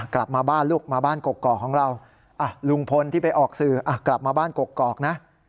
กลับมาบ้านลูกมาบ้านกกอกของเราลุงพลที่ไปออกสื่อกลับมาบ้านกกอกนะ